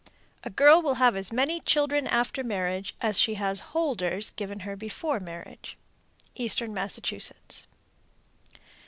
A girl will have as many children after marriage as she has "holders" given her before marriage. _Eastern Massachusetts.